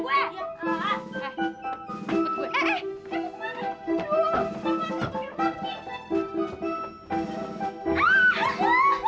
aduh tempatnya bagian rumah pi